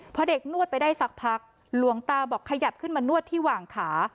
พอเด็กนวดไปได้สักพักหลวงตาบอกขยับขึ้นมานวดที่หว่างขา